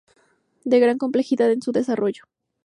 De gran complejidad en su desarrollo.